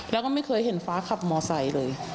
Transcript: แล้วก็ไม่เคยเห็นฟ้าขับมอไซค์เลย